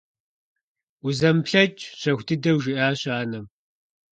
Узэмыплъэкӏ… – щэху дыдэу жиӀащ анэм.